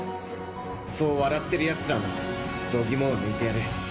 そう笑ってる奴らも度肝を抜いてやれ。